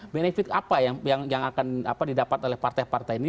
benefit apa yang akan didapat oleh partai partai ini